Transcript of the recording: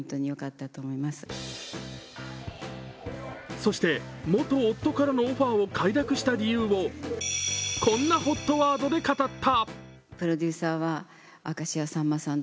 そして元夫からのオファーを快諾した理由をこんなＨＯＴワードで語った。